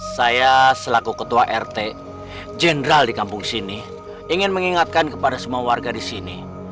saya selaku ketua rt general di kampung sini ingin mengingatkan kepada semua warga disini